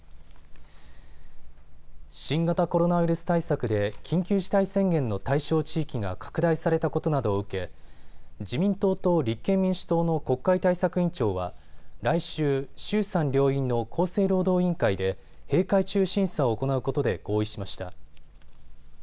新型コロナウイルス対策で緊急事態宣言の対象地域が拡大されたことなどを受け、自民党と立憲民主党の国会対策委員長は来週、衆参両院の厚生労働委員会で閉会中審査を行うことで合意しました。